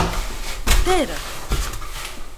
Μητέρα!